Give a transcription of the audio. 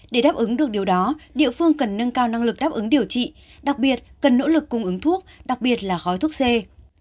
để đáp ứng được điều đó địa phương cần nâng cao năng lực đáp ứng điều trị đặc biệt cần nỗ lực cung ứng thuốc đặc biệt là khói thuốc c